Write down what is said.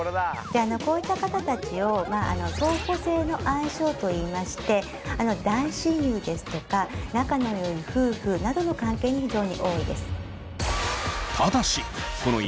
こういった方たちを相補性の相性といいまして大親友ですとか仲の良い夫婦などの関係に非常に多いです。